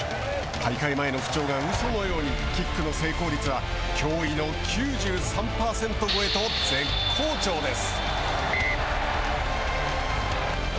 大会前の不調がうそのようにキックの成功率は驚異の９３％超えと絶好調です。